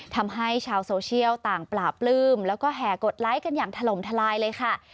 ทำให้ชาวโซเชียลต่างปลาปลื้มแล้วก็แห่กดไลค์กันอย่างถล่มทลายเลยค่ะ